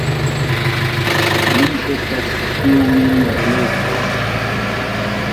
Li estas, kiu min relevis.